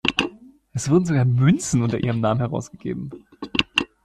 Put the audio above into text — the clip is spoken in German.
Es wurden sogar Münzen unter ihrem Namen herausgegeben.